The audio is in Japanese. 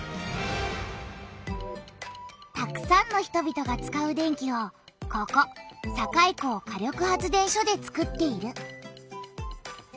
たくさんの人々が使う電気をここ堺港火力発電所でつくっている。